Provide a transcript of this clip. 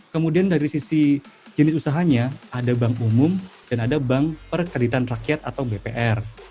kemudian dari sisi jenis usahanya ada bank umum dan ada bank perkreditan rakyat atau bpr